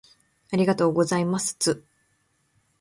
ありがとうございますつ